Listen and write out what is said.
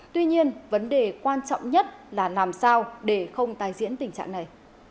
tuy nhiên vấn đề quan trọng nhất là làm sao để không tái diễn tình trạng này